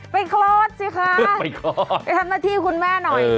ไปคลอดสิคะไปทำหน้าที่คุณแม่หน่อย